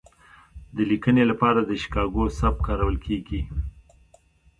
د لیکنې لپاره د شیکاګو سبک کارول کیږي.